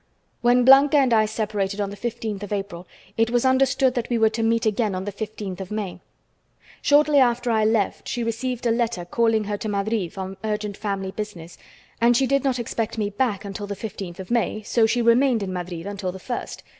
"When Blanca and I separated on the fifteenth of April, it was understood that we were to meet again on the fifteenth of May. Shortly after I left she received a letter calling her to Madrid on urgent family business, and she did not expect me back until the fifteenth of May, so she remained in Madrid until the first.